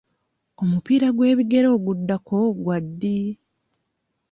Omupiira gw'ebigere oguddako gwa ddi?